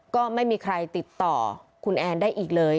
ก็ไม่มีใครติดต่อคุณแอนได้อีกเลย